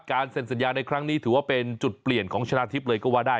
เซ็นสัญญาในครั้งนี้ถือว่าเป็นจุดเปลี่ยนของชนะทิพย์เลยก็ว่าได้